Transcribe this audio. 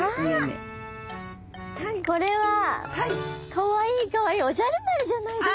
かわいいかわいいおじゃる丸じゃないですか！？